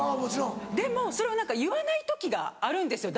でもそれを何か言わない時があるんですよ